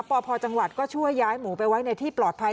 ปพจังหวัดก็ช่วยย้ายหมูไปไว้ในที่ปลอดภัย